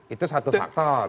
itu satu faktor